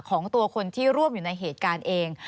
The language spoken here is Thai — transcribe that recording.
ของตัวคนที่ร่วมอยู่ในเหตุการณ์เอง